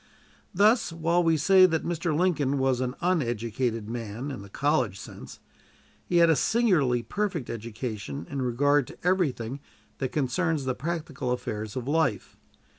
Thus, while we say that Mr. Lincoln was an uneducated man in the college sense, he had a singularly perfect education in regard to everything that concerns the practical affairs of life.